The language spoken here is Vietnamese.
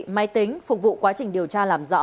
máy tính phục vụ quá trình điều tra làm rõ